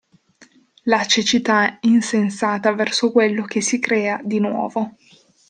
La cecità insensata verso quello che si crea di nuovo.